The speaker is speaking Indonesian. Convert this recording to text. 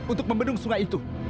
untuk membendung sungai itu